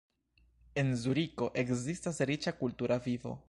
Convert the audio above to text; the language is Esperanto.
En Zuriko ekzistas riĉa kultura vivo.